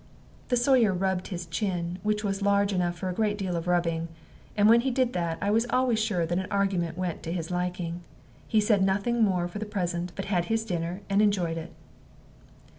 The Sawyer rubbed his chin, which was large enough for a great deal of rubbing; and when he did that, I was always sure that an argument went to his liking. He said nothing more for the present, but had his dinner, and enjoyed it.